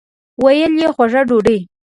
ویل یې خوږه ډوډۍ.